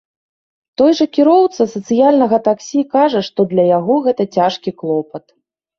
Той жа кіроўца сацыяльнага таксі кажа, што для яго гэта цяжкі клопат.